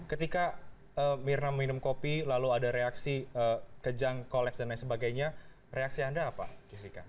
ketika mirna minum kopi lalu ada reaksi kejang kolaps dan lain sebagainya reaksi anda apa jessica